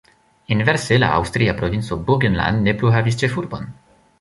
Inverse la aŭstria provinco Burgenland ne plu havis ĉefurbon.